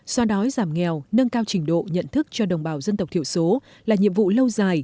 so đói giảm nghèo nâng cao trình độ nhận thức cho đồng bào dân tộc thiểu số là nhiệm vụ lâu dài